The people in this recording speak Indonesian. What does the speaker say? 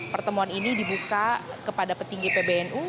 pertemuan ini dibuka kepada petinggi pbnu